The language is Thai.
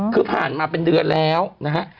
คือผ่านมาเป็นเดือนแล้วนะฮะ